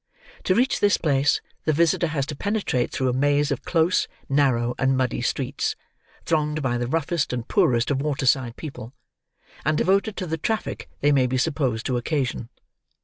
To reach this place, the visitor has to penetrate through a maze of close, narrow, and muddy streets, thronged by the roughest and poorest of waterside people, and devoted to the traffic they may be supposed to occasion.